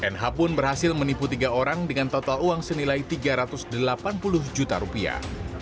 nh pun berhasil menipu tiga orang dengan total uang senilai tiga ratus delapan puluh juta rupiah